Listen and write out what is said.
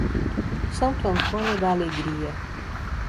Santo Antônio da Alegria